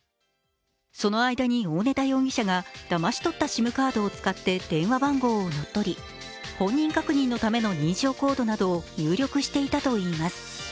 その間に大根田容疑者がだまし取ったＳＩＭカードを使って電話番号を乗っ取り、本人確認のための認証コードなどを入力していたといいます。